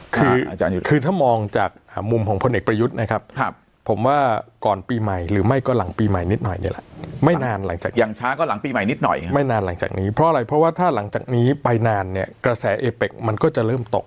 คือถ้ามองจากมุมของพลเอกประยุทธ์นะครับผมว่าก่อนปีใหม่หรือไม่ก็หลังปีใหม่นิดหน่อยนี่แหละไม่นานหลังจากอย่างช้าก็หลังปีใหม่นิดหน่อยไม่นานหลังจากนี้เพราะอะไรเพราะว่าถ้าหลังจากนี้ไปนานเนี่ยกระแสเอเป็กมันก็จะเริ่มตก